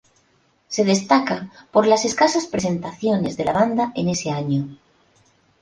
Se destaca por las escasas presentaciones de la banda en ese año.